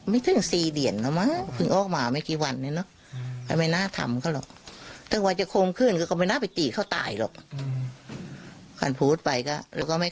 ผู้สื่อข่าวของเราที่ลงพื้นที่ไป